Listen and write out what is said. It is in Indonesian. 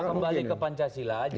kembali ke pancasila aja